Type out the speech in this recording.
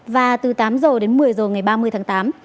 và từ tám h đến một mươi h ngày ba mươi tháng tám